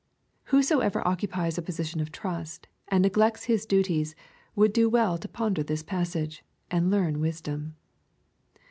Whosoever occupies a position of trust, and neglects his duties, would do well to ponder this passage, and learn wisdom.